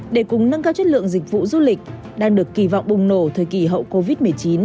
để cùng nâng cao chất lượng dịch vụ du lịch đang được kỳ vọng bùng nổ thời kỳ hậu covid một mươi chín